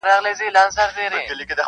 او درد د تجربې برخه ده-